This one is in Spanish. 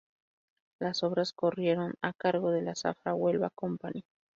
Las obras corrieron a cargo de la Zafra-Huelva Company.